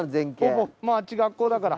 ポポあっち学校だから。